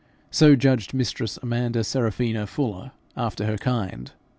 So judged mistress Amanda Serafina Fuller, after her kind.